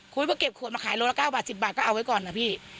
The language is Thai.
มาเก็บขวดมาขายโลละ๙บาท๑๐บาทก็เอาไว้ก่อนนะพี่